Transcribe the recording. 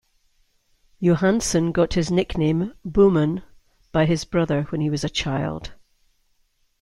Johansen got his nickname "Bummen" by his brother when he was a child.